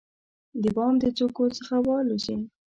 د بام د څوکو څخه والوزي،